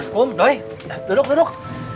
kom doi duduk duduk